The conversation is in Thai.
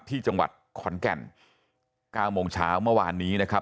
ที่จังหวัดขอนแก่น๙โมงเช้าเมื่อวานนี้นะครับ